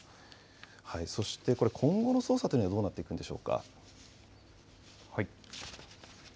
今後の捜査というのはどうなっていくんでしょうか。